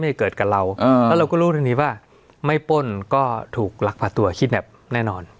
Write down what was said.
เกิดกับเราแล้วเราก็รู้เรื่องนี้ว่าไม่ป้นก็ถูกลักพาตัวคิดแบบแน่นอน